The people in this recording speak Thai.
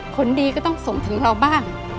ผลดีก็ต้องส่งถึงเราบ้าง